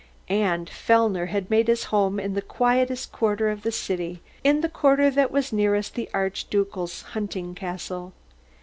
And Fellner had made his home in the quietest quarter of the city, in that quarter which was nearest the Archducal hunting castle.